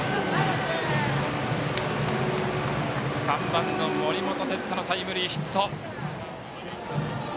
３番、森本哲太のタイムリーヒット。